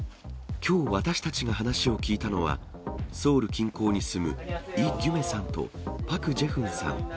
きょう、私たちが話を聞いたのは、ソウル近郊に住むイ・ギュメさんとパク・ジェフンさん。